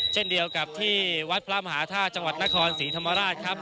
เช่นเดียวกับที่วัดพระมหาธาตุจังหวัดนครศรีธรรมราชครับ